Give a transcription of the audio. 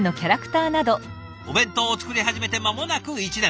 お弁当を作り始めて間もなく１年。